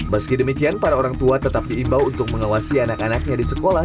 meski demikian para orang tua tetap diimbau untuk mengawasi anak anaknya di sekolah